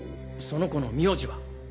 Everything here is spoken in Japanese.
その子の名字は？